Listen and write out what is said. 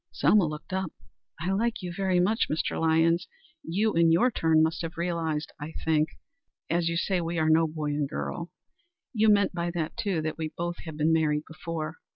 Selma looked up. "I like you very much, Mr. Lyons. You, in your turn, must have realized that, I think. As you say, we are no boy and girl. You meant by that, too, that we both have been married before.